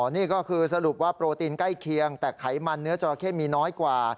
นี่ก็คือสรุปว่าโปรตีนใกล้เคียงแต่ไขมันเนื้อจราเข้มีน้อยกว่า